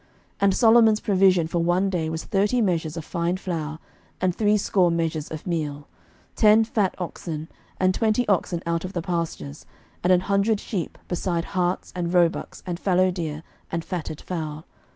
11:004:022 And Solomon's provision for one day was thirty measures of fine flour, and threescore measures of meal, 11:004:023 Ten fat oxen, and twenty oxen out of the pastures, and an hundred sheep, beside harts, and roebucks, and fallowdeer, and fatted fowl.